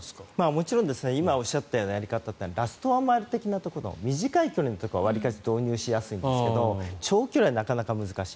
もちろん今おっしゃったようなものはラストワンマイルみたいな短い距離のところはわりかし導入しやすいんですが長距離はなかなか難しい。